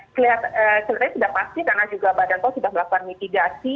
kelihatannya sudah pasti karena juga badan pom sudah melakukan mitigasi